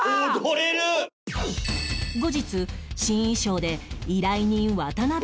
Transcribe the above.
後日新衣装で依頼人渡辺のもとへ